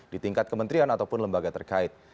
di tingkat kementerian ataupun lembaga terkait